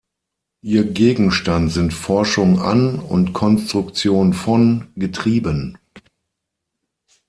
Ihr Gegenstand sind Forschung an und Konstruktion von Getrieben.